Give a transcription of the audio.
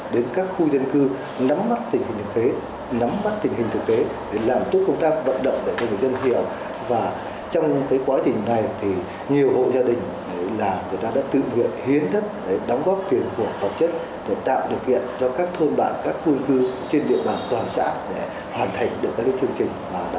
để hoàn thành được các chương trình